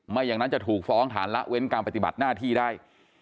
อย่างนั้นจะถูกฟ้องฐานละเว้นการปฏิบัติหน้าที่ได้